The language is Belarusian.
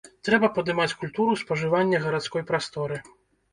Трэба падымаць культуру спажывання гарадской прасторы.